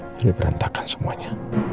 jadi berantakan semuanya